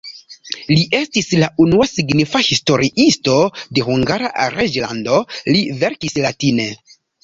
Li estis la unua signifa historiisto de Hungara reĝlando, li verkis latine.